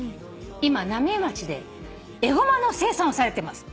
今浪江町でエゴマの生産をされてます。